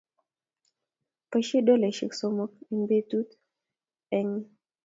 Boisye dolaisyek somok eng betut eng